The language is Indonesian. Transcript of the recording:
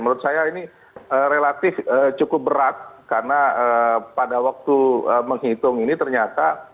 menurut saya ini relatif cukup berat karena pada waktu menghitung ini ternyata